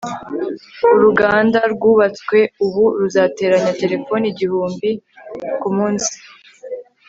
uruganda rwubatswe ubu ruzateranya telefone igihumbi kumunsi